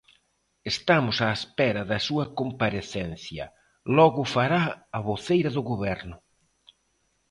Estamos á espera da súa comparecencia, logo o fará a voceira do Goberno.